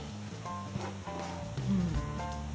うん。